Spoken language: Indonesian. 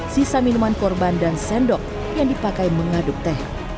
sisa minuman korban dan sendok yang dipakai mengaduk teh